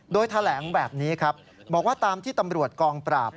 โดยแถลงแบบนี้ครับบอกว่าตามที่ตำรวจกองปราบ